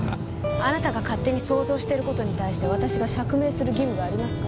あなたが勝手に想像してる事に対して私が釈明する義務がありますか？